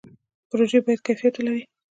پروژې باید کیفیت ولري